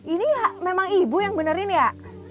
ini memang ibu yang benerin ya